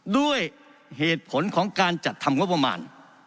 ด้วยเหตุผลของการจัดทำงบประมาณ